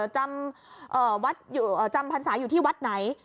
จำพันศาอยู่ที่วัดไหน